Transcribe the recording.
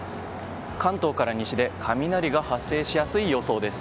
関東から西で雷が発生しやすい予想です。